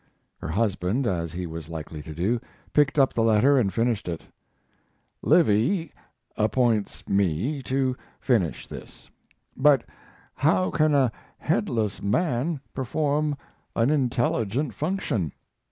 Her husband, as he was likely to do, picked up the letter and finished it: Livy appoints me to finish this; but how can a headless man perform an intelligent function?